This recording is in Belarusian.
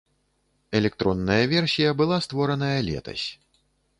Электронная версія была створаная летась.